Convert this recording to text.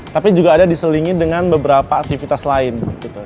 tapi juga ada diselingi dengan beberapa aktivitas lain